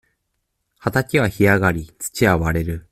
畑は干上がり、土は割れる。